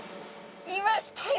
いましたよ！